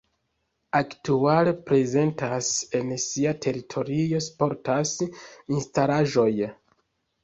Aktuale prezentas en sia teritorio sportaj instalaĵoj.